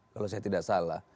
kalau saya tidak salah